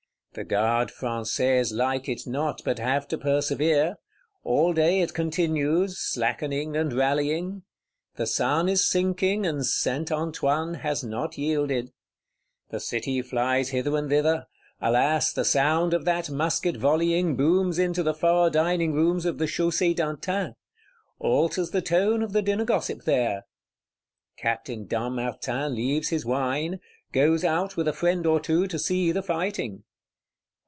The Gardes Françaises like it not, but have to persevere. All day it continues, slackening and rallying; the sun is sinking, and Saint Antoine has not yielded. The City flies hither and thither: alas, the sound of that musket volleying booms into the far dining rooms of the Chaussée d'Antin; alters the tone of the dinner gossip there. Captain Dampmartin leaves his wine; goes out with a friend or two, to see the fighting.